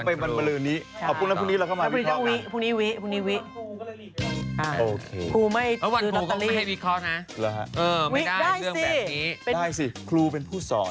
ไม่ให้วิเคราะห์นะไม่ได้เรื่องแบบนี้ได้สิครูเป็นผู้สอน